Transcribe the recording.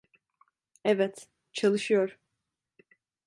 Evet, çalışıyor.